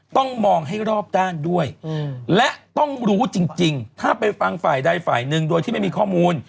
ต้องมองให้รอบด้านด้วยและต้องรู้จริงถ้าไปฟังฝ่ายใดฝ่ายหนึ่งโดยที่ไม่มีข้อมูล